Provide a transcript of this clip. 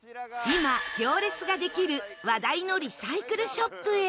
今行列ができる話題のリサイクルショップへ。